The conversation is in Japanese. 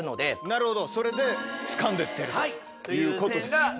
なるほどそれでつかんでってるということです。